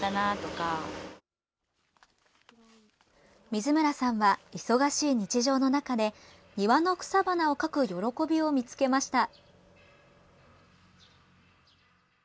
水村さんは忙しい日常の中で庭の草花を描く喜びを見つけました。